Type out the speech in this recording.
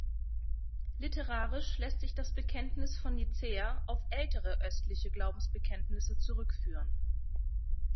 Literarisch lässt sich das Bekenntnis von Nicäa auf ältere östliche Glaubensbekenntnisse zurückführen.